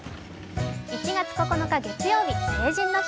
１月９日月曜日、成人の日。